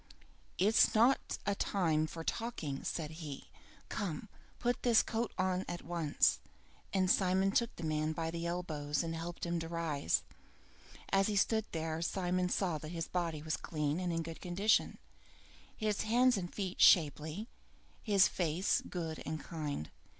"It's not a time for talking," said he. "Come, put this coat on at once!" And Simon took the man by the elbows and helped him to rise. As he stood there, Simon saw that his body was clean and in good condition, his hands and feet shapely, and his face good and kind.